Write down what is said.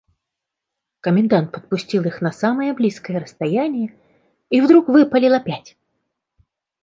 Комендант подпустил их на самое близкое расстояние и вдруг выпалил опять.